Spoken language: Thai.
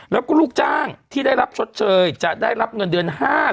แล้วก็ลูกจ้างที่ได้รับชดเชยจะได้รับเงินเดือน๕๐๐